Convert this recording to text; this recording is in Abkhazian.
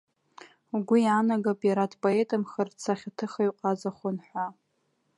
Угәы иаанагап, иара дпоетмхар, дсахьаҭыхыҩ ҟазахон ҳәа.